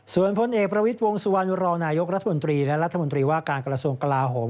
ส่วนพลเอกประวิทย์วงสุวรรณรองนายกรัฐมนตรีและรัฐมนตรีว่าการกระทรวงกลาโหม